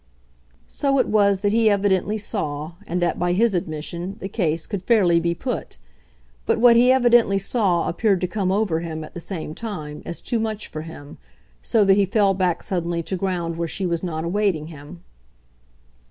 So it was that he evidently saw and that, by his admission, the case, could fairly be put. But what he evidently saw appeared to come over him, at the same time, as too much for him, so that he fell back suddenly to ground where she was not awaiting him.